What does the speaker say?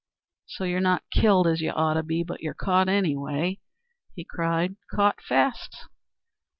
"So you're not killed, as you ought to be, but you're caught, anyway," he cried; "caught fast.